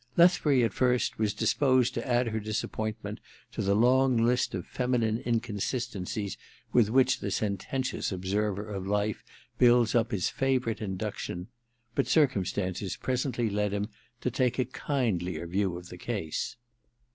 Lethbury, at first, was disposed to add her disappointment 177 N 178 THE MISSION OF JANE iv to the long list of feminine inconsistencies with which the sententious observer of life builds up his favourite induction ; but circumstances pre sently led him to take a kindlier view of the case.